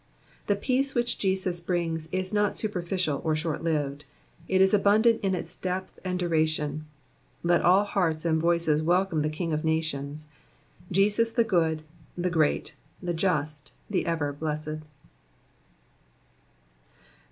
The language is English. The peace which Jesus brings is not superficial or shortlived ; it is abundant in its depth and duration. Let all hearts and voices welcome the King of nations ; Jesus the Good, the Great, the Just, the Ever blessed.